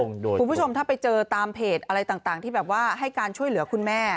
คุณผู้ชมถ้าไปเจอตามเพจอะไรต่างที่แบบว่าให้การช่วยเหลือคุณแม่